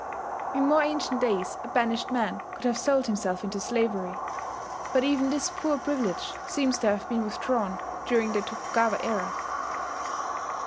In more ancient days a banished man could have sold himself into slavery; but even this poor privilege seems to have been withdrawn during the Tokugawa era.